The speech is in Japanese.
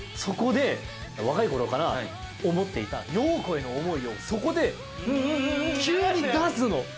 そこで若い頃から思っていたヨーコへの思いをそこで急に出すの。